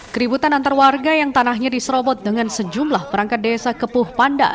keributan antar warga yang tanahnya diserobot dengan sejumlah perangkat desa kepuh panda